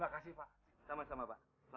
dan orang indias ini juga yang susah berc varya